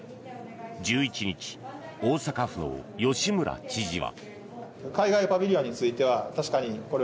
１１日、大阪府の吉村知事は。